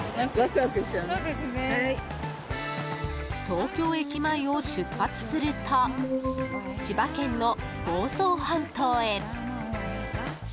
東京駅前を出発すると千葉県の房総半島へ。